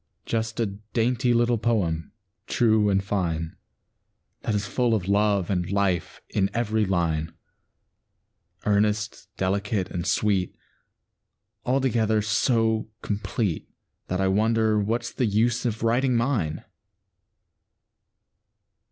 Just a dainty little poem, true and fine, That is full of love and life in every line, Earnest, delicate, and sweet, Altogether so complete That I wonder what's the use of writing mine.